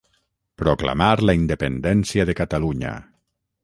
Proclamar la independència de Catalunya.